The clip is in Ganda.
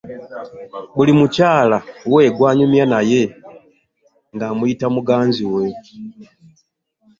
Buli mukyala we gw’anyumya naye ng’amuyita muganzi we.